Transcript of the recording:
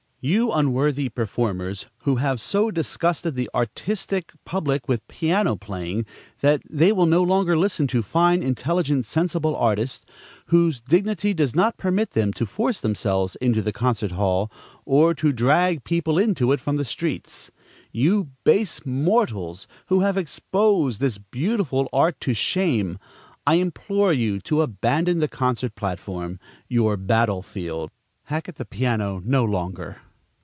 You unworthy performers, who have so disgusted the artistic public with piano playing that they will no longer listen to fine, intelligent, sensible artists, whose dignity does not permit them to force themselves into the concert hall, or to drag people into it from the streets! you base mortals, who have exposed this beautiful art to shame! I implore you to abandon the concert platform, your battle field! Hack at the piano no longer!